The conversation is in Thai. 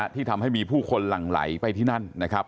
ที่ทำให้มีผู้คนหลั่งไหลไปที่นั่นนะครับ